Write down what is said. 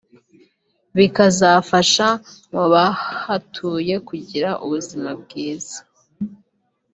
bikazafasha mu bahatuye kugira ubuzima bwiza